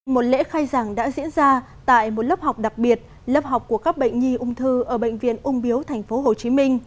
một lễ khai giảng đã diễn ra tại một lớp học đặc biệt lớp học của các bệnh nhi ung thư ở bệnh viện ung biếu tp hcm